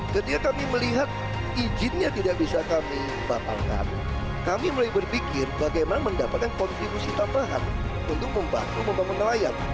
ketika kami melihat izinnya tidak bisa kami batalkan kami mulai berpikir bagaimana mendapatkan kontribusi tambahan untuk membantu membangun nelayan